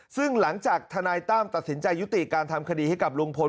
ซึ่งหลังจากทนายตั้มตัดสินใจยุติการทำคดีให้กับลุงพล